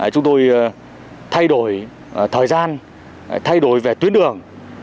chúng tôi thay đổi thời gian thay đổi về tuyến đường